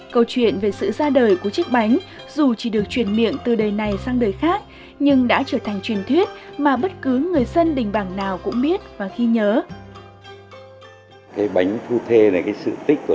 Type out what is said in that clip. câu chuyện về sự ra đời của chiếc bánh dù chỉ được chuyển miệng từ đời này sang đời khác nhưng đã trở thành truyền thuyết mà bất cứ người dân đình bảng nào cũng biết và ghi nhớ